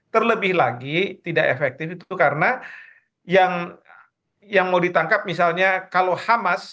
terlebih lagi tidak efektif itu karena yang mau ditangkap misalnya kalau hamas